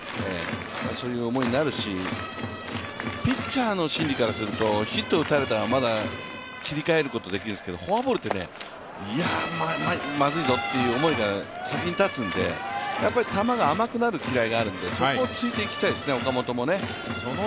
そういう思いになるしピッチャーの心理からするとヒットを打たれたらまだ切り替えることはできるんですけどフォアボールってまずいぞっていう思いが先に立つんで球が甘くなるきらいがあるので、そこをついていきたいですね